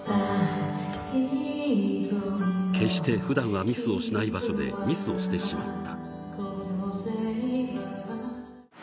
決して普段はミスをしない場所でミスをしてしまった。